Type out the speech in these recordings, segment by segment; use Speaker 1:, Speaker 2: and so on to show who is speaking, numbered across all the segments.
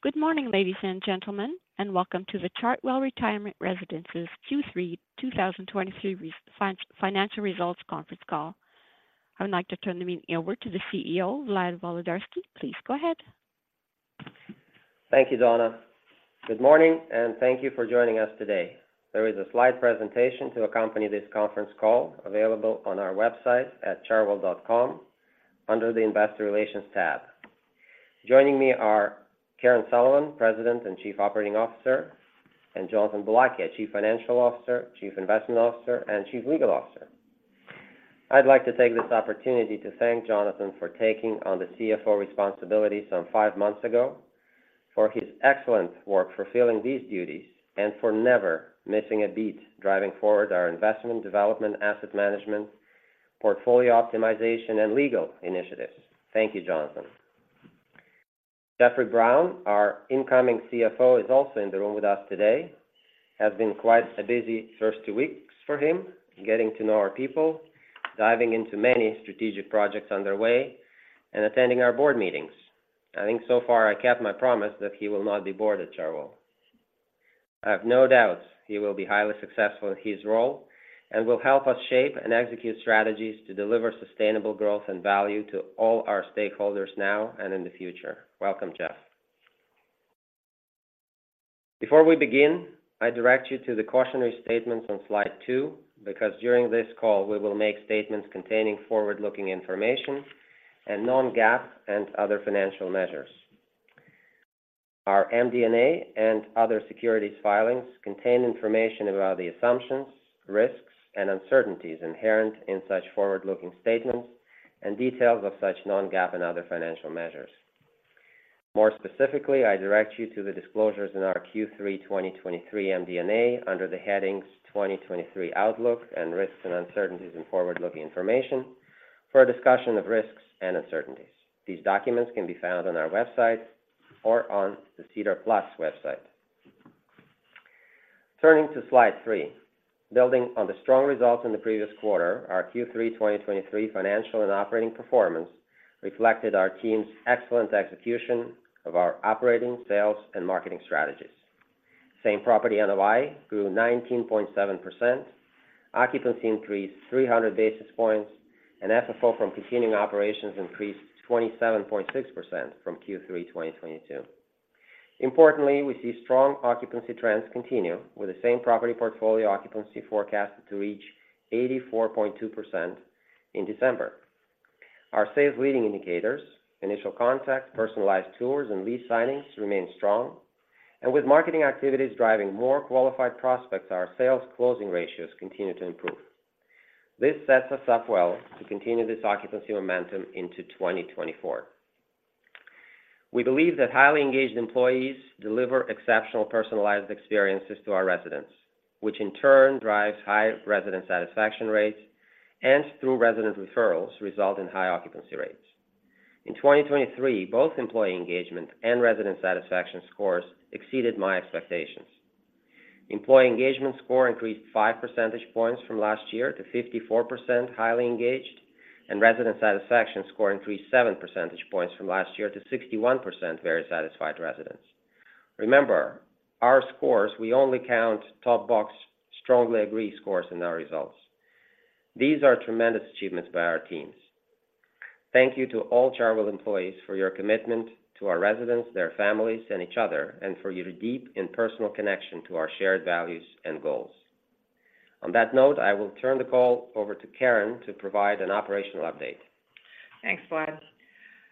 Speaker 1: Good morning, ladies and gentlemen, and welcome to the Chartwell Retirement Residences Q3 2023 Financial Results Conference Call. I would like to turn the meeting over to the CEO, Vlad Volodarski. Please go ahead.
Speaker 2: Thank you, Donna. Good morning, and thank you for joining us today. There is a slide presentation to accompany this conference call available on our website at chartwell.com, under the Investor Relations tab. Joining me are Karen Sullivan, President and Chief Operating Officer, and Jonathan Boulakia, Chief Financial Officer, Chief Investment Officer, and Chief Legal Officer. I'd like to take this opportunity to thank Jonathan for taking on the CFO responsibilities some five months ago, for his excellent work fulfilling these duties, and for never missing a beat driving forward our investment, development, asset management, portfolio optimization, and legal initiatives. Thank you, Jonathan. Jeffrey Brown, our incoming CFO, is also in the room with us today. Has been quite a busy first two weeks for him, getting to know our people, diving into many strategic projects underway, and attending our board meetings. I think so far I kept my promise that he will not be bored at Chartwell. I have no doubts he will be highly successful in his role, and will help us shape and execute strategies to deliver sustainable growth and value to all our stakeholders now and in the future. Welcome, Jeff. Before we begin, I direct you to the cautionary statements on slide two, because during this call, we will make statements containing forward-looking information and non-GAAP and other financial measures. Our MD&A and other securities filings contain information about the assumptions, risks, and uncertainties inherent in such forward-looking statements and details of such non-GAAP and other financial measures. More specifically, I direct you to the disclosures in our Q3 2023 MD&A under the headings: 2023 Outlook and Risks and Uncertainties and Forward-Looking Information, for a discussion of risks and uncertainties. These documents can be found on our website or on the SEDAR+ website. Turning to slide three. Building on the strong results in the previous quarter, our Q3 2023 financial and operating performance reflected our team's excellent execution of our operating, sales, and marketing strategies. Same Property NOI grew 19.7%, occupancy increased 300 basis points, and FFO from continuing operations increased 27.6% from Q3 2022. Importantly, we see strong occupancy trends continue, with the same property portfolio occupancy forecasted to reach 84.2% in December. Our sales leading indicators, initial contacts, personalized tours, and lease signings remain strong, and with marketing activities driving more qualified prospects, our sales closing ratios continue to improve. This sets us up well to continue this occupancy momentum into 2024. We believe that highly engaged employees deliver exceptional personalized experiences to our residents, which in turn drives high resident satisfaction rates and, through resident referrals, result in high occupancy rates. In 2023, both employee engagement and resident satisfaction scores exceeded my expectations. Employee engagement score increased 5 percentage points from last year to 54%, highly engaged, and resident satisfaction score increased 7 percentage points from last year to 61% very satisfied residents. Remember, our scores, we only count top box, strongly agree scores in our results. These are tremendous achievements by our teams. Thank you to all Chartwell employees for your commitment to our residents, their families, and each other, and for your deep and personal connection to our shared values and goals. On that note, I will turn the call over to Karen to provide an operational update.
Speaker 3: Thanks, Vlad.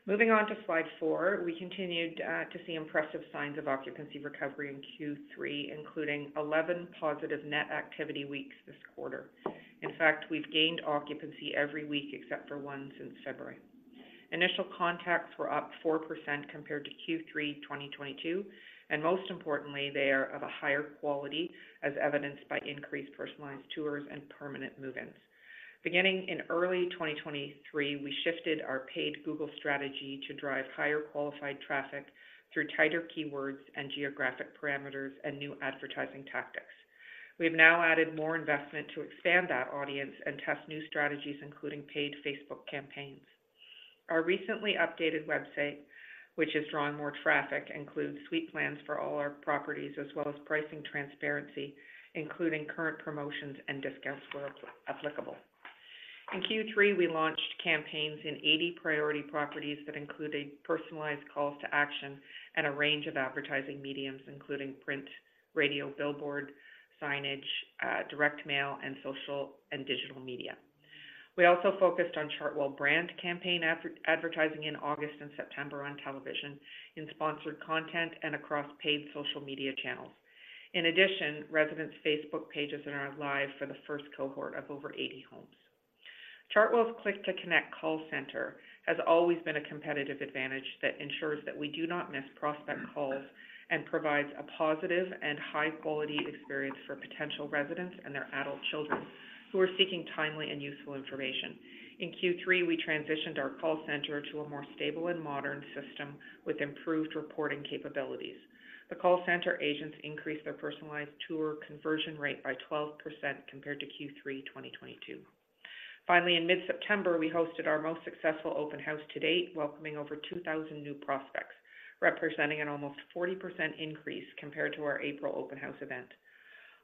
Speaker 3: Moving on to slide four, we continued to see impressive signs of occupancy recovery in Q3, including 11 positive net activity weeks this quarter. In fact, we've gained occupancy every week except for one since February. Initial contacts were up 4% compared to Q3 2022, and most importantly, they are of a higher quality, as evidenced by increased personalized tours and permanent move-ins. Beginning in early 2023, we shifted our paid Google strategy to drive higher qualified traffic through tighter keywords and geographic parameters and new advertising tactics. We've now added more investment to expand that audience and test new strategies, including paid Facebook campaigns. Our recently updated website, which has drawn more traffic, includes suite plans for all our properties, as well as pricing transparency, including current promotions and discounts, where applicable. In Q3, we launched campaigns in 80 priority properties that included personalized calls to action and a range of advertising mediums, including print, radio, billboard, signage, direct mail, and social and digital media. We also focused on Chartwell brand campaign advertising in August and September on television, in sponsored content, and across paid social media channels. In addition, residents' Facebook pages are now live for the first cohort of over 80 homes. Chartwell's Click to Connect call center has always been a competitive advantage that ensures that we do not miss prospect calls and provides a positive and high-quality experience for potential residents and their adult children who are seeking timely and useful information. In Q3, we transitioned our call center to a more stable and modern system with improved reporting capabilities. The call center agents increased their personalized tour conversion rate by 12% compared to Q3 2022. Finally, in mid-September, we hosted our most successful open house to date, welcoming over 2,000 new prospects, representing an almost 40% increase compared to our April open house event.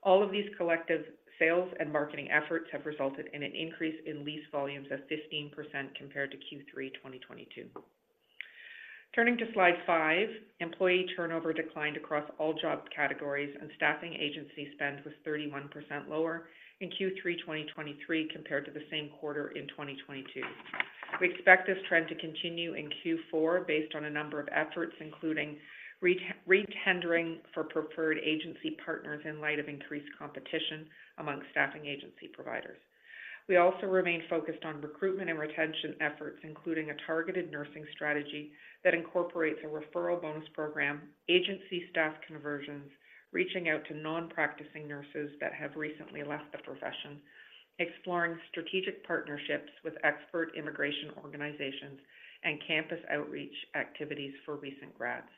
Speaker 3: All of these collective sales and marketing efforts have resulted in an increase in lease volumes of 15% compared to Q3 2022. Turning to slide 5, employee turnover declined across all job categories, and staffing agency spend was 31% lower in Q3 2023, compared to the same quarter in 2022. We expect this trend to continue in Q4 based on a number of efforts, including retendering for preferred agency partners in light of increased competition among staffing agency providers. We also remain focused on recruitment and retention efforts, including a targeted nursing strategy that incorporates a referral bonus program, agency staff conversions, reaching out to non-practicing nurses that have recently left the profession, exploring strategic partnerships with expert immigration organizations, and campus outreach activities for recent grads.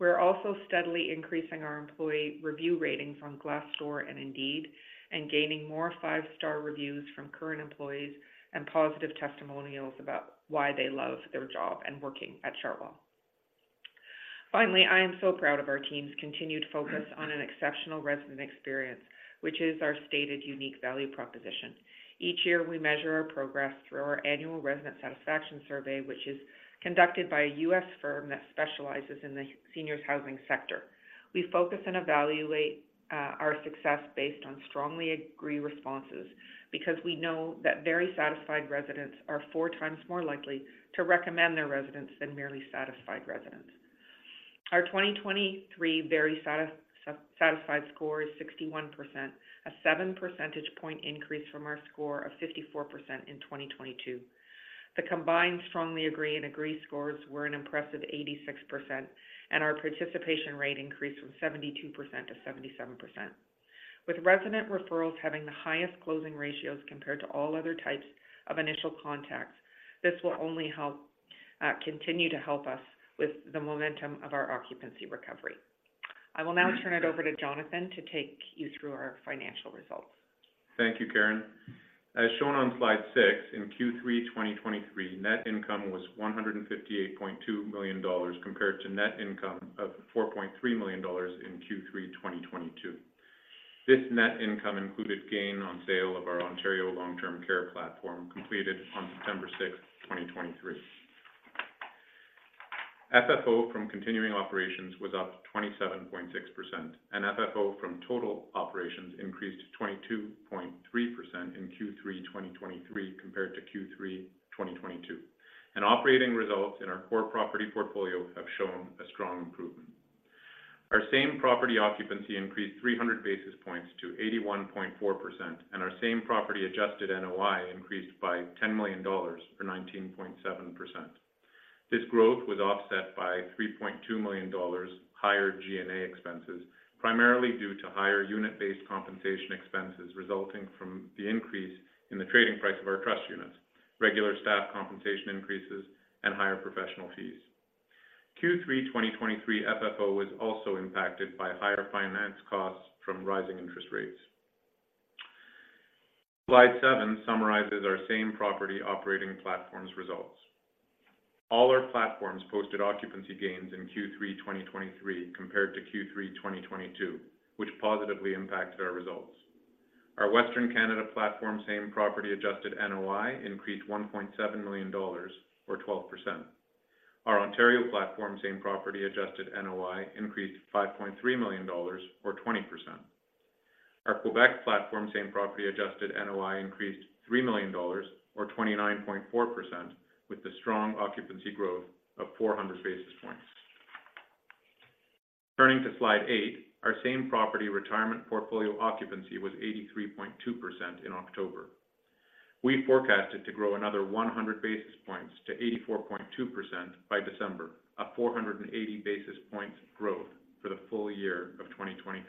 Speaker 3: We are also steadily increasing our employee review rating from Glassdoor and Indeed, and gaining more five-star reviews from current employees and positive testimonials about why they love their job and working at Chartwell. Finally, I am so proud of our team's continued focus on an exceptional resident experience, which is our stated unique value proposition. Each year, we measure our progress through our annual Resident Satisfaction Survey, which is conducted by a U.S. firm that specializes in the seniors' housing sector. We focus and evaluate our success based on strongly agree responses, because we know that very satisfied residents are 4x more likely to recommend their residents than merely satisfied residents. Our 2023 very satisfied score is 61%, a seven percentage point increase from our score of 54% in 2022. The combined strongly agree and agree scores were an impressive 86%, and our participation rate increased from 72%-77%. With resident referrals having the highest closing ratios compared to all other types of initial contacts, this will only help continue to help us with the momentum of our occupancy recovery. I will now turn it over to Jonathan to take you through our financial results.
Speaker 4: Thank you, Karen. As shown on slide six, in Q3 2023, net income was 158.2 million dollars, compared to net income of 4.3 million dollars in Q3 2022. This net income included gain on sale of our Ontario Long-Term Care platform, completed on September 6th, 2023. FFO from continuing operations was up 27.6%, and FFO from total operations increased to 22.3% in Q3 2023 compared to Q3 2022. Operating results in our core property portfolio have shown a strong improvement. Our same property occupancy increased 300 basis points to 81.4%, and our same property adjusted NOI increased by 10 million dollars, or 19.7%. This growth was offset by 3.2 million dollars higher G&A expenses, primarily due to higher unit-based compensation expenses, resulting from the increase in the trading price of our trust units, regular staff compensation increases, and higher professional fees. Q3 2023 FFO was also impacted by higher finance costs from rising interest rates. Slide seven summarizes our same property operating platforms results. All our platforms posted occupancy gains in Q3 2023 compared to Q3 2022, which positively impacted our results. Our Western Canada platform, same property adjusted NOI, increased 1.7 million dollars, or 12%. Our Ontario platform, same property adjusted NOI, increased 5.3 million dollars, or 20%. Our Quebec platform, same property adjusted NOI, increased 3 million dollars, or 29.4%, with the strong occupancy growth of 400 basis points. Turning to slide eight, our same property retirement portfolio occupancy was 83.2% in October. We forecasted to grow another 100 basis points to 84.2% by December, a 480 basis points growth for the full year of 2023.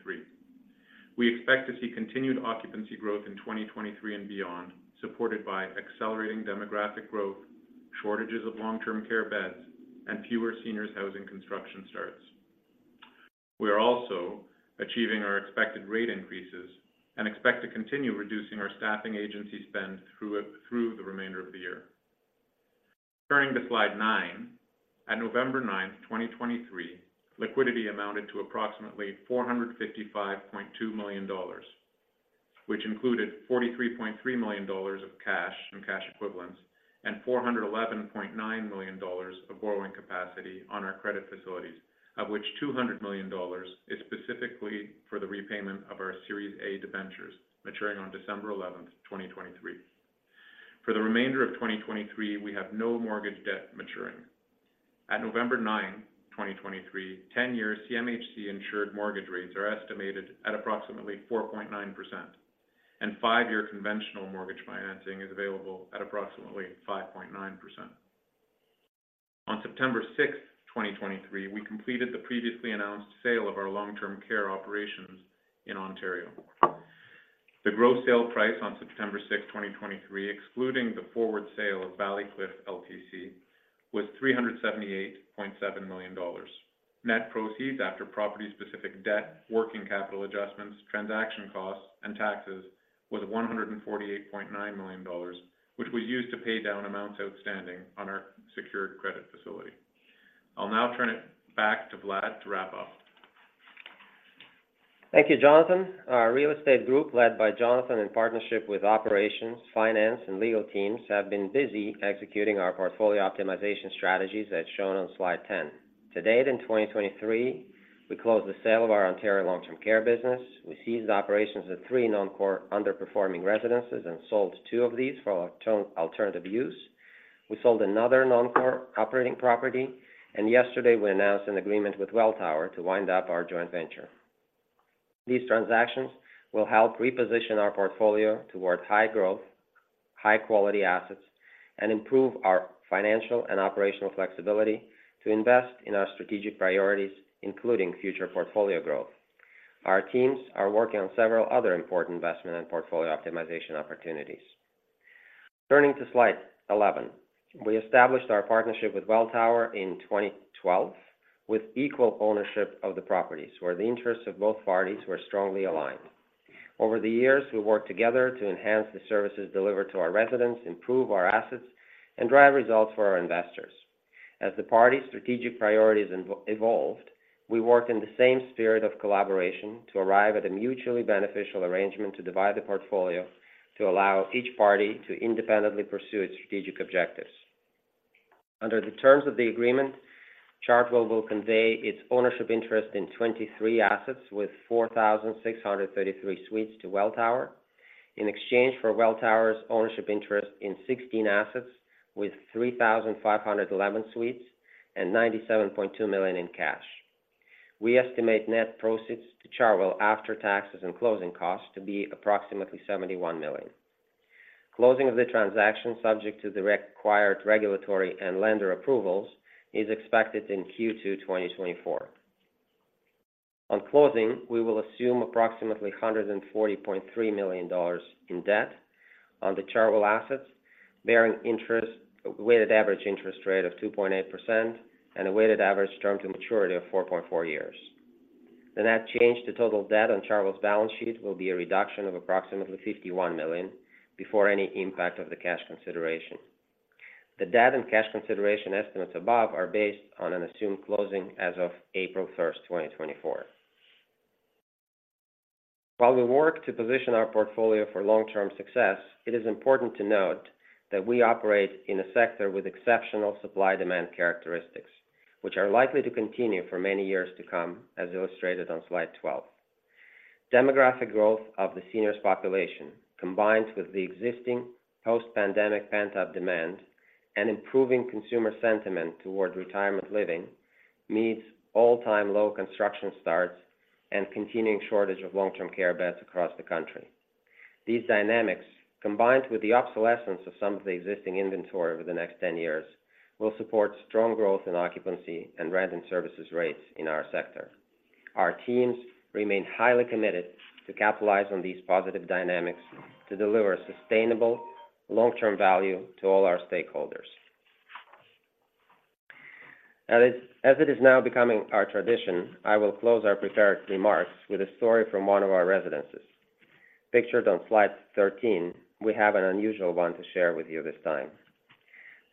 Speaker 4: We expect to see continued occupancy growth in 2023 and beyond, supported by accelerating demographic growth, shortages of long-term care beds, and fewer seniors housing construction starts. We are also achieving our expected rate increases and expect to continue reducing our staffing agency spend through the remainder of the year. Turning to slide nine, at November 9th, 2023, liquidity amounted to approximately 455.2 million dollars, which included 43.3 million dollars of cash and cash equivalents, and 411.9 million dollars of borrowing capacity on our credit facilities, of which 200 million dollars is specifically for the repayment of our Series A Debentures, maturing on December 11th, 2023. For the remainder of 2023, we have no mortgage debt maturing. At November 9, 2023, ten-year CMHC insured mortgage rates are estimated at approximately 4.9%, and five-year conventional mortgage financing is available at approximately 5.9%. On September 6th, 2023, we completed the previously announced sale of our long-term care operations in Ontario. The gross sale price on September 6th, 2023, excluding the forward sale of Valleycliff LTC-... was 378.7 million dollars. Net proceeds after property-specific debt, working capital adjustments, transaction costs, and taxes was 148.9 million dollars, which we used to pay down amounts outstanding on our secured credit facility. I'll now turn it back to Vlad to wrap up.
Speaker 2: Thank you, Jonathan. Our real estate group, led by Jonathan, in partnership with operations, finance, and legal teams, have been busy executing our portfolio optimization strategies as shown on slide 10. To date, in 2023, we closed the sale of our Ontario long-term care business. We ceased operations of three non-core underperforming residences and sold two of these for alternative use. We sold another non-core operating property, and yesterday, we announced an agreement with Welltower to wind up our joint venture. These transactions will help reposition our portfolio towards high growth, high-quality assets, and improve our financial and operational flexibility to invest in our strategic priorities, including future portfolio growth. Our teams are working on several other important investment and portfolio optimization opportunities. Turning to slide 11. We established our partnership with Welltower in 2012, with equal ownership of the properties, where the interests of both parties were strongly aligned. Over the years, we worked together to enhance the services delivered to our residents, improve our assets, and drive results for our investors. As the party's strategic priorities evolved, we worked in the same spirit of collaboration to arrive at a mutually beneficial arrangement to divide the portfolio, to allow each party to independently pursue its strategic objectives. Under the terms of the agreement, Chartwell will convey its ownership interest in 23 assets with 4,633 suites to Welltower. In exchange for Welltower's ownership interest in 16 assets with 3,511 suites and 97.2 million in cash. We estimate net proceeds to Chartwell, after taxes and closing costs, to be approximately 71 million. Closing of the transaction, subject to the required regulatory and lender approvals, is expected in Q2 2024. On closing, we will assume approximately 140.3 million dollars in debt on the Chartwell assets, bearing interest, weighted average interest rate of 2.8% and a weighted average term to maturity of 4.4 years. The net change to total debt on Chartwell's balance sheet will be a reduction of approximately 51 million before any impact of the cash consideration. The debt and cash consideration estimates above are based on an assumed closing as of April 1, 2024. While we work to position our portfolio for long-term success, it is important to note that we operate in a sector with exceptional supply-demand characteristics, which are likely to continue for many years to come, as illustrated on slide 12. Demographic growth of the seniors population, combined with the existing post-pandemic pent-up demand and improving consumer sentiment towards retirement living, meets all-time low construction starts and continuing shortage of long-term care beds across the country. These dynamics, combined with the obsolescence of some of the existing inventory over the next 10 years, will support strong growth in occupancy and rent and services rates in our sector. Our teams remain highly committed to capitalize on these positive dynamics to deliver sustainable, long-term value to all our stakeholders. As it is now becoming our tradition, I will close our prepared remarks with a story from one of our residences. Pictured on slide 13, we have an unusual one to share with you this time.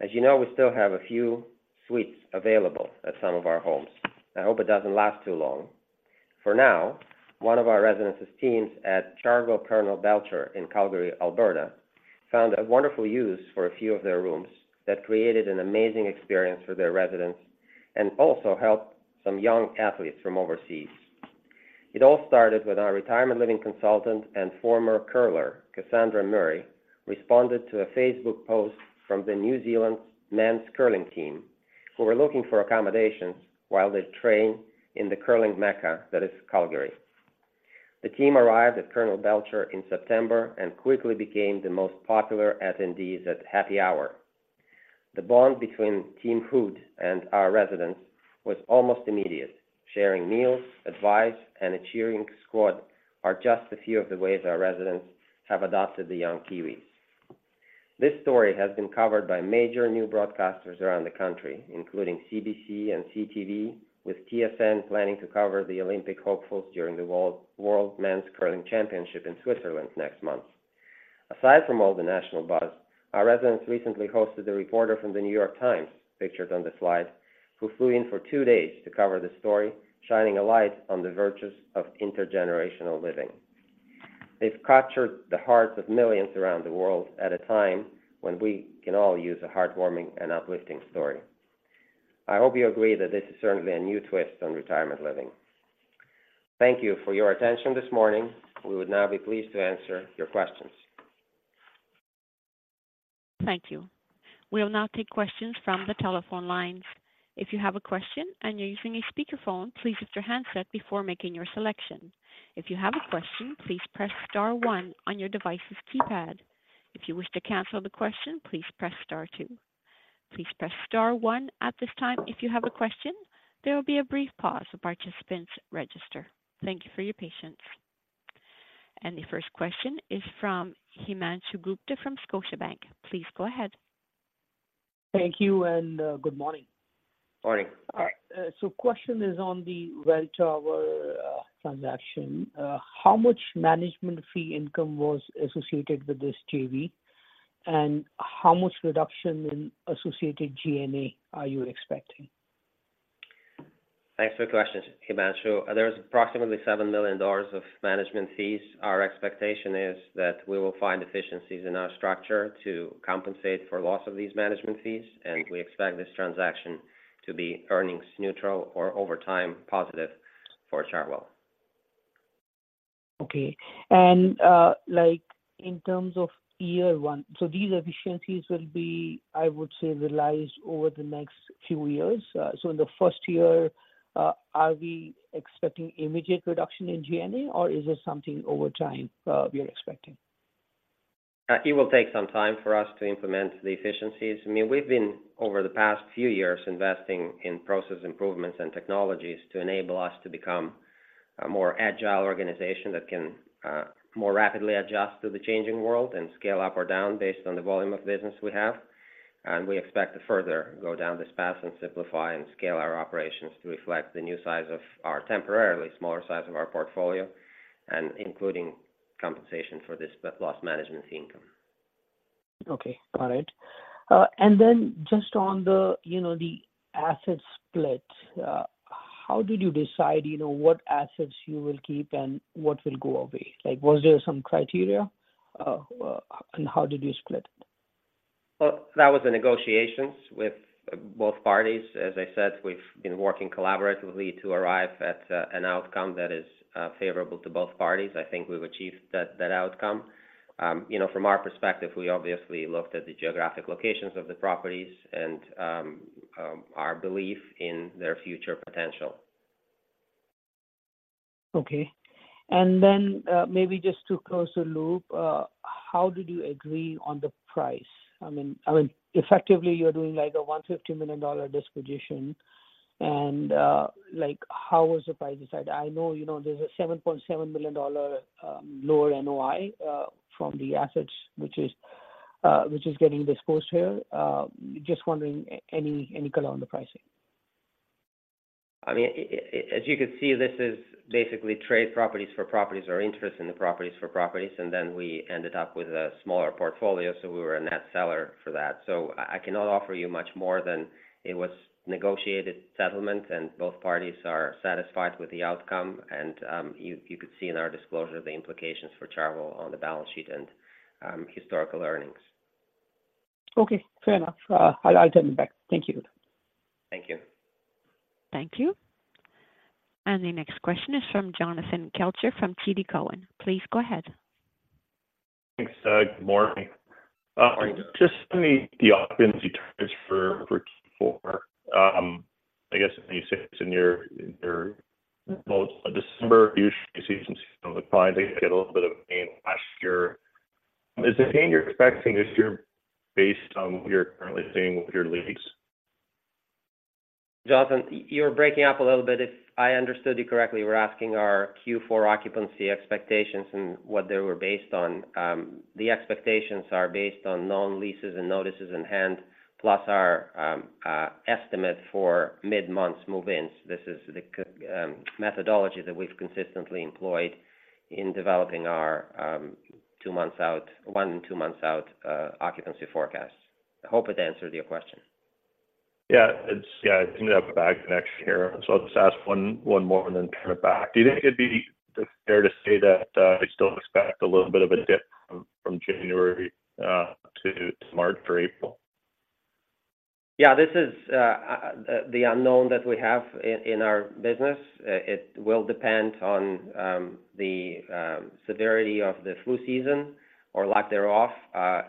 Speaker 2: As you know, we still have a few suites available at some of our homes. I hope it doesn't last too long. For now, one of our residences teams at Chartwell Colonel Belcher in Calgary, Alberta, found a wonderful use for a few of their rooms that created an amazing experience for their residents and also helped some young athletes from overseas. It all started when our retirement living consultant and former curler, Cassandra Murray, responded to a Facebook post from the New Zealand men's curling team, who were looking for accommodations while they train in the curling mecca, that is Calgary. The team arrived at Colonel Belcher in September and quickly became the most popular attendees at Happy Hour. The bond between Team Hood and our residents was almost immediate. Sharing meals, advice, and a cheering squad are just a few of the ways our residents have adopted the young Kiwis. This story has been covered by major news broadcasters around the country, including CBC and CTV, with TSN planning to cover the Olympic hopefuls during the World Men's Curling Championship in Switzerland next month. Aside from all the national buzz, our residents recently hosted a reporter from The New York Times, pictured on the slide, who flew in for two days to cover the story, shining a light on the virtues of intergenerational living. They've captured the hearts of millions around the world at a time when we can all use a heartwarming and uplifting story. I hope you agree that this is certainly a new twist on retirement living. Thank you for your attention this morning. We would now be pleased to answer your questions.
Speaker 1: Thank you. We'll now take questions from the telephone lines. If you have a question and you're using a speakerphone, please mute your handset before making your selection. If you have a question, please press star one on your device's keypad. If you wish to cancel the question, please press star two. Please press star one at this time if you have a question. There will be a brief pause for participants to register. Thank you for your patience.... The first question is from Himanshu Gupta from Scotiabank. Please go ahead.
Speaker 5: Thank you, and good morning.
Speaker 2: Morning.
Speaker 5: All right, so question is on the Welltower transaction. How much management fee income was associated with this JV? And how much reduction in associated G&A are you expecting?
Speaker 2: Thanks for the question, Himanshu. There's approximately 7 million dollars of management fees. Our expectation is that we will find efficiencies in our structure to compensate for loss of these management fees, and we expect this transaction to be earnings neutral or over time, positive for Chartwell.
Speaker 5: Okay. And, like in terms of year one, so these efficiencies will be, I would say, realized over the next few years. So in the first year, are we expecting immediate reduction in G&A, or is this something over time we are expecting?
Speaker 2: It will take some time for us to implement the efficiencies. I mean, we've been, over the past few years, investing in process improvements and technologies to enable us to become a more agile organization that can more rapidly adjust to the changing world and scale up or down based on the volume of business we have. And we expect to further go down this path and simplify and scale our operations to reflect the new size of our temporarily smaller size of our portfolio, and including compensation for this, the loss management income.
Speaker 5: Okay. All right. And then just on the, you know, the asset split, how did you decide, you know, what assets you will keep and what will go away? Like, was there some criteria, and how did you split?
Speaker 2: Well, that was the negotiations with both parties. As I said, we've been working collaboratively to arrive at, an outcome that is, favorable to both parties. I think we've achieved that, that outcome. You know, from our perspective, we obviously looked at the geographic locations of the properties and, our belief in their future potential.
Speaker 5: Okay. And then, maybe just to close the loop, how did you agree on the price? I mean, effectively, you're doing, like, a 150 million dollar disposition, and, like, how was the price decided? I know, you know, there's a 7.7 million dollar lower NOI from the assets, which is getting disposed here. Just wondering any color on the pricing.
Speaker 2: I mean, as you can see, this is basically trade properties for properties or interest in the properties for properties, and then we ended up with a smaller portfolio, so we were a net seller for that. So I cannot offer you much more than it was negotiated settlement, and both parties are satisfied with the outcome. And you could see in our disclosure the implications for Chartwell on the balance sheet and historical earnings.
Speaker 5: Okay, fair enough. I'll turn it back. Thank you.
Speaker 2: Thank you.
Speaker 1: Thank you. The next question is from Jonathan Kelcher from TD Cowen. Please go ahead.
Speaker 6: Thanks, good morning.
Speaker 2: Morning.
Speaker 6: Just sending the occupancy terms for Q4. I guess you said it's in your December. Usually you see some seasonal declines. I get a little bit of pain last year. Is the pain you're expecting this year based on what you're currently seeing with your leads?
Speaker 2: Jonathan, you're breaking up a little bit. If I understood you correctly, you were asking our Q4 occupancy expectations and what they were based on. The expectations are based on known leases and notices in hand, plus our estimate for mid-month move-ins. This is the methodology that we've consistently employed in developing our two months out, one and two months out, occupancy forecasts. I hope it answered your question.
Speaker 6: Yeah, it's... Yeah, I think that back next year. So I'll just ask one more and then turn it back. Do you think it'd be fair to say that we still expect a little bit of a dip from January to March or April?
Speaker 2: Yeah, this is the unknown that we have in our business. It will depend on the severity of the flu season or lack thereof.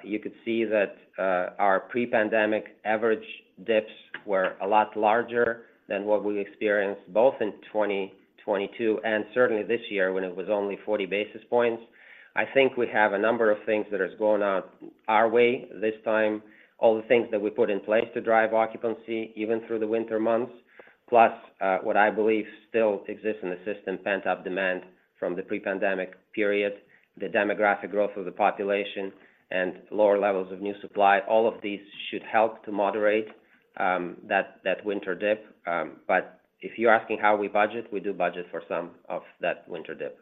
Speaker 2: You could see that our pre-pandemic average dips were a lot larger than what we experienced, both in 2022 and certainly this year, when it was only 40 basis points. I think we have a number of things that is going on our way this time. All the things that we put in place to drive occupancy, even through the winter months, plus what I believe still exists in the system, pent-up demand from the pre-pandemic period, the demographic growth of the population, and lower levels of new supply. All of these should help to moderate that winter dip. But if you're asking how we budget, we do budget for some of that winter dip.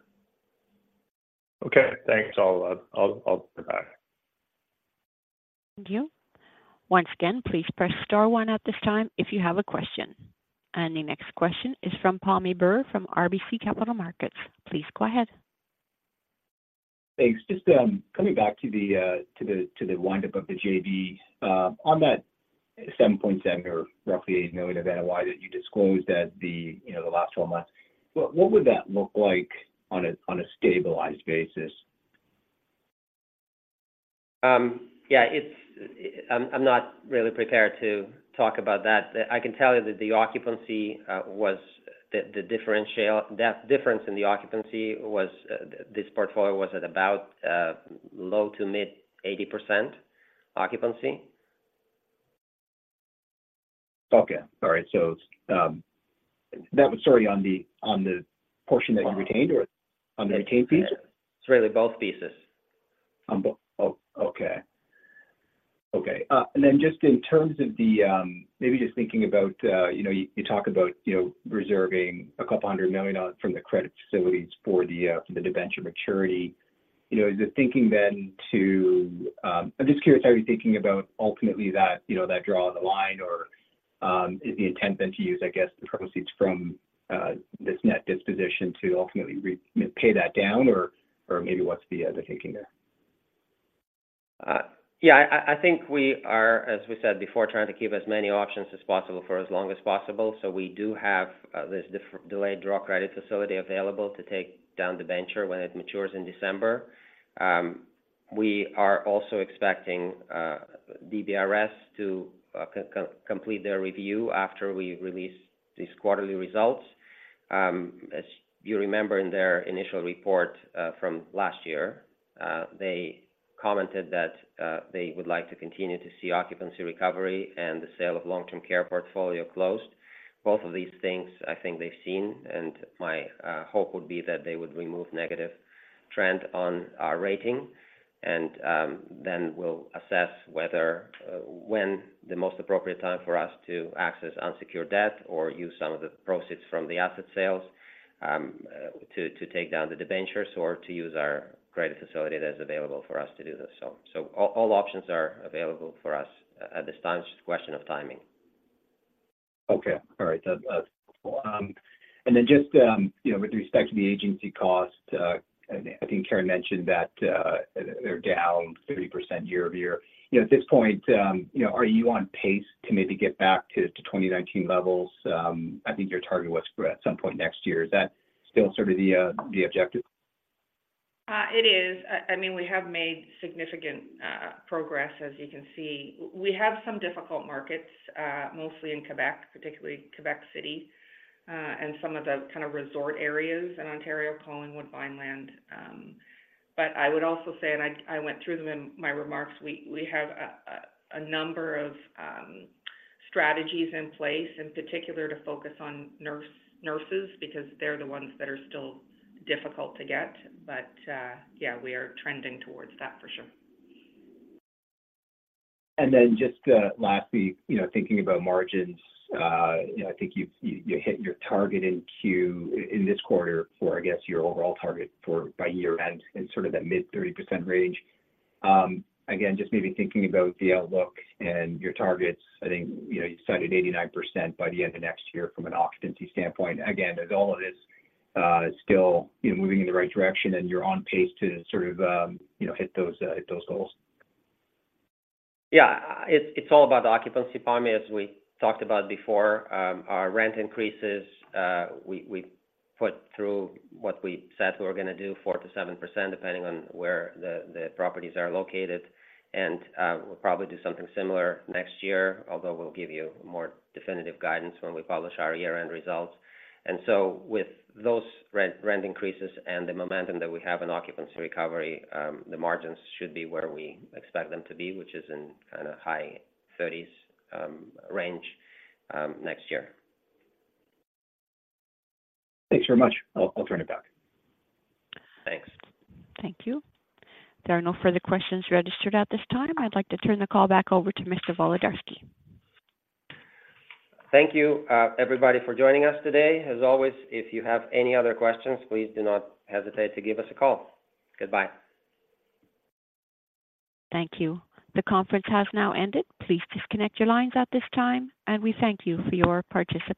Speaker 6: Okay, thanks. I'll get back.
Speaker 1: Thank you. Once again, please press star one at this time if you have a question. The next question is from Pammi Bir from RBC Capital Markets. Please go ahead.
Speaker 7: Thanks. Just coming back to the wind up of the JV. On that 7.7 million or roughly 8 million of NOI that you disclosed at the, you know, the last 12 months, what would that look like on a stabilized basis?
Speaker 2: Yeah, I'm not really prepared to talk about that. I can tell you that the occupancy, that difference in the occupancy, was this portfolio was at about low- to mid-80% occupancy. ...
Speaker 7: Okay. All right, so, that was sorry, on the, on the portion that you retained or on the retained piece?
Speaker 2: It's really both pieces.
Speaker 7: On both. Oh, okay. Okay, and then just in terms of the, maybe just thinking about, you know, you, you talk about, you know, reserving 200 million dollars from the credit facilities for the, for the debenture maturity. You know, is the thinking then to, I'm just curious, how are you thinking about ultimately that, you know, that drawing the line or, is the intent then to use, I guess, the proceeds from, this net disposition to ultimately repay that down, or, or maybe what's the, the thinking there?
Speaker 2: Yeah, I think we are, as we said before, trying to keep as many options as possible for as long as possible. So we do have this delayed draw credit facility available to take down the debenture when it matures in December. We are also expecting DBRS to complete their review after we release these quarterly results. As you remember in their initial report from last year, they commented that they would like to continue to see occupancy recovery and the sale of long-term care portfolio closed. Both of these things I think they've seen, and my hope would be that they would remove negative trend on our rating. Then we'll assess whether, when the most appropriate time for us to access unsecured debt or use some of the proceeds from the asset sales, to take down the debentures or to use our credit facility that's available for us to do this. So all options are available for us at this time. It's just a question of timing.
Speaker 7: Okay. All right. That, that's... And then just, you know, with respect to the agency cost, I think Karen mentioned that, they're down 30% year-over-year. You know, at this point, you know, are you on pace to maybe get back to, to 2019 levels? I think your target was at some point next year. Is that still sort of the, the objective?
Speaker 3: It is. I mean, we have made significant progress, as you can see. We have some difficult markets, mostly in Quebec, particularly Quebec City, and some of the kind of resort areas in Ontario, Collingwood, Vineland. But I would also say, and I went through them in my remarks, we have a number of strategies in place, in particular to focus on nurses, because they're the ones that are still difficult to get. But yeah, we are trending towards that for sure.
Speaker 7: And then just, lastly, you know, thinking about margins, you know, I think you, you hit your target in Q, in this quarter for, I guess, your overall target for by year end in sort of that mid-30% range. Again, just maybe thinking about the outlook and your targets, I think, you know, you cited 89% by the end of next year from an occupancy standpoint. Again, as all of this, is still, you know, moving in the right direction and you're on pace to sort of, you know, hit those, hit those goals.
Speaker 2: Yeah. It's, it's all about the occupancy, Pammi, as we talked about before. Our rent increases, we, we put through what we said we were gonna do, 4%-7%, depending on where the, the properties are located. And we'll probably do something similar next year, although we'll give you more definitive guidance when we publish our year-end results. And so with those rent, rent increases and the momentum that we have in occupancy recovery, the margins should be where we expect them to be, which is in kind of high thirties range next year.
Speaker 7: Thanks very much. I'll turn it back.
Speaker 2: Thanks.
Speaker 1: Thank you. There are no further questions registered at this time. I'd like to turn the call back over to Mr. Volodarski.
Speaker 2: Thank you, everybody, for joining us today. As always, if you have any other questions, please do not hesitate to give us a call. Goodbye.
Speaker 1: Thank you. The conference has now ended. Please disconnect your lines at this time, and we thank you for your participation.